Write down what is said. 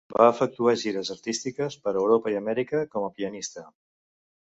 Va efectuar gires artístiques per Europa i Amèrica com a pianista.